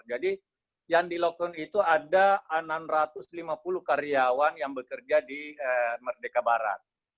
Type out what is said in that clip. jadi yang di lockdown itu ada enam ratus lima puluh karyawan yang bekerja di merdeka barat